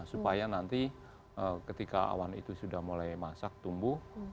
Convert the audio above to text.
supaya nanti ketika awan itu sudah mulai masak tumbuh